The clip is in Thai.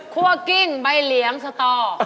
คั่วกิ้งใบเหลียมสตอ